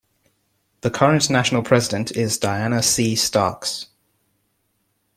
The current national president is Diana C. Starks.